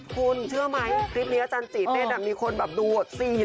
คุณเชื่อไหมคลิปนี้จันจิเต้นมีคนดู๔ล้านวิวไปแล้ว